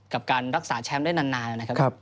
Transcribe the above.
กับการรักษาแชมป์ได้นานนะครับ